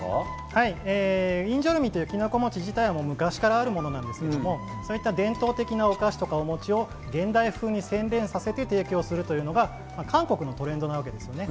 インジョルミという、きなこ餅自体は昔からあるものなんですが伝統的なお菓子とかお餅を現代風に洗練させて提供するというのが韓国のトレンドなわけです。